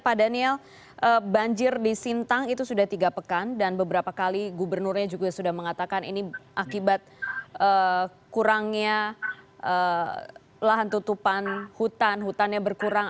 pak daniel banjir di sintang itu sudah tiga pekan dan beberapa kali gubernurnya juga sudah mengatakan ini akibat kurangnya lahan tutupan hutan hutannya berkurang